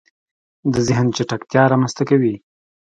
د زهن چټکتیا رامنځته کوي